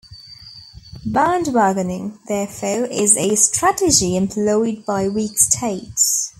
Bandwagoning, therefore, is a strategy employed by weak states.